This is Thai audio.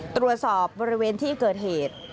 ตรวจสอบบริเวณที่เกิดเหตุ